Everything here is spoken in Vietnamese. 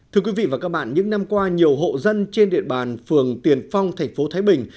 thưa quý vị và các bạn những năm qua nhiều hộ dân trên địa bàn phường tiền phong thành phố thái bình